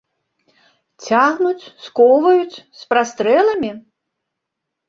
Цягнуць, скоўваюць, з прастрэламі?